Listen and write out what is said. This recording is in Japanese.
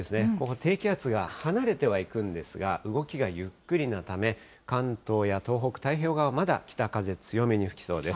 低気圧が離れてはいくんですが、動きがゆっくりなため、関東や東北、太平洋側、まだ北風強めに吹きそうです。